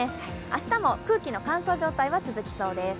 明日も空気の乾燥状態は続きそうです。